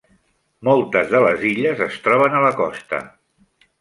Moltes de les illes es troben a la costa.